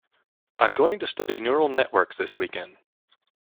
I'm going to study Neural Networks this weekend.